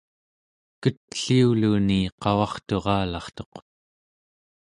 ketliuluni qavarturalartuq